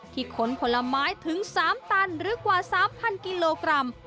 ขนผลไม้ถึง๓ตันหรือกว่า๓๐๐กิโลกรัม